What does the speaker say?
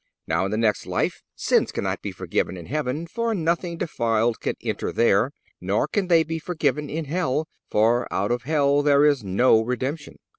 Now in the next life, sins cannot be forgiven in heaven, for, nothing defiled can enter there; nor can they be forgiven in hell, for, out of hell there is no redemption.